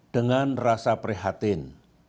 dengan rasa prihatin